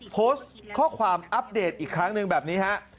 โพสต์ข้อความอัปเดตอีกครั้งหนึ่งแบบนี้ฮะ